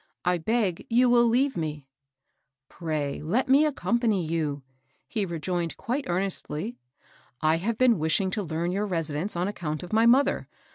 I beg you will leave me 1 "Pray let me accompany you," he rejoined quite earnestly. "I have been wishing to learn your residence on account of my mother.